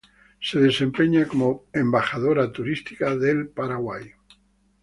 Se desempeña como embajadora turística del Paraguay.